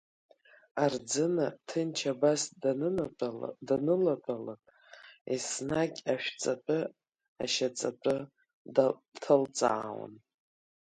Арӡына, ҭынч абас данылатәалак, еснагь ашәҵатәы, ашьаҵатәы ҭылҵаауан.